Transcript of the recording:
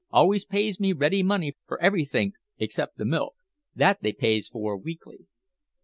Always pays me ready money for everythink, except the milk. That they pays for weekly."